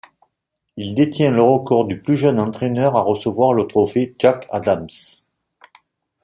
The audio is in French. Il détient le record du plus jeune entraîneur à recevoir le trophée Jack Adams.